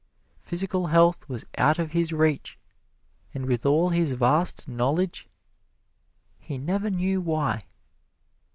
Physical health was out of his reach, and with all his vast knowledge, he never knew why.